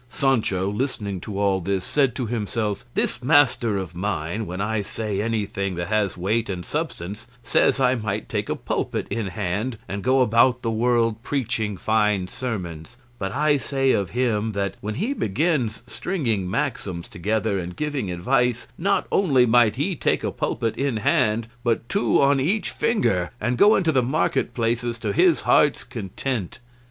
Sancho, listening to all this, said to himself, "This master of mine, when I say anything that has weight and substance, says I might take a pulpit in hand, and go about the world preaching fine sermons; but I say of him that, when he begins stringing maxims together and giving advice not only might he take a pulpit in hand, but two on each finger, and go into the market places to his heart's content.